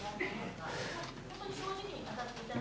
本当に正直に語っていただきたい。